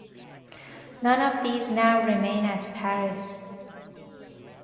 None of these now remain at Paris.